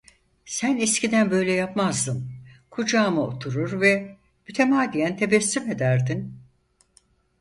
Sen eskiden böyle yapmazdın, kucağıma oturur ve mütemadiyen tebessüm ederdin…